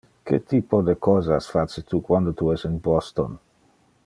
Que typo de cosas face tu quando tu es in Boston?